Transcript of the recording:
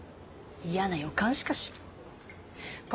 嫌な予感しかしない。